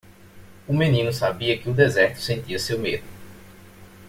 O menino sabia que o deserto sentia seu medo.